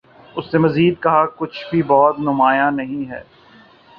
اس نے مزید کہا کچھ بھِی بہت نُمایاں نہیں ہے